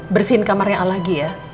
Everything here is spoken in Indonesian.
bersihin kamarnya lagi ya